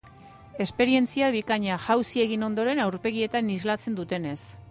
Esperientzia bikaina, jauzi egin ondoren aurpegietan islatzen dutenez.